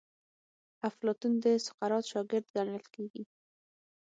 افلاطون د سقراط شاګرد ګڼل کیږي.